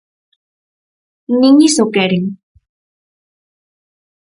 Nin iso queren.